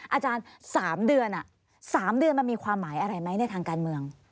อาจารย์๓เดือน๓เดือนมันมีความหมายอะไรไหมในทางการเมือง